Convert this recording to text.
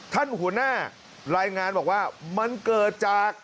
ท่านหัวหน้ารายงานบอกว่ามันเกิดจาก